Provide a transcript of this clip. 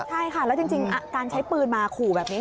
ใช่ค่ะแล้วจริงการใช้ปืนมาขู่แบบนี้